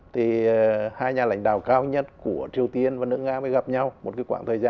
thì hai nhà lãnh đạo cao nhất của triều tiên và nước nga mới gặp nhau một cái quãng thời gian